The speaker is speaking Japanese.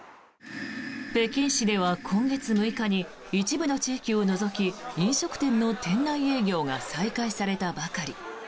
北京市では今月６日に一部の地域を除き飲食店の店内営業が再開されたばかり。